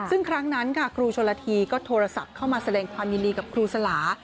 ซึ่งครั้งนั้นค่ะครูชนละทีก็โทรศัพท์เข้ามาแสดงความยินดีกับครูสลา